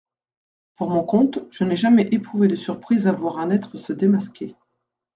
Pour mon compte, je n'ai jamais éprouvé de surprise à voir un être se démasquer.